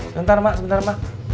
sebentar mak sebentar mak